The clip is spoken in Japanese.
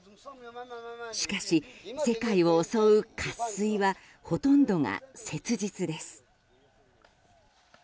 しかし、世界を襲う渇水はほとんどが切実です。